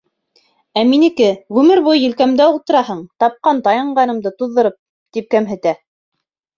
Ә минеке, ғүмер буйы елкәмдә ултыраһың, тапҡан-таянғанымды туҙҙырып, тип кәмһетә.